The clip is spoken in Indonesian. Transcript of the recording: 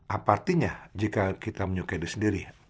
apa artinya jika kita menyukai diri sendiri